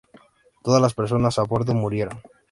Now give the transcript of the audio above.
Todas las personas a bordo murieron.